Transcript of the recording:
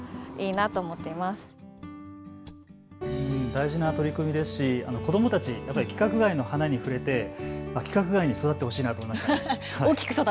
大事な取り組みですし子どもたち、規格外の花に触れて規格外に育ってほしいなと思います。